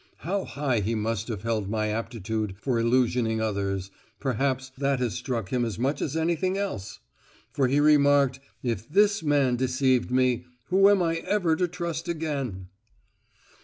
How high he must have held my aptitude for illusionizing others; perhaps that has struck him as much as anything else! for he remarked: 'If this man deceived me, whom am I ever to trust again!